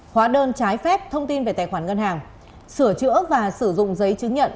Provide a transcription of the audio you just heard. hóa đơn trái phép thông tin về tài khoản ngân hàng sửa chữa và sử dụng giấy chứng nhận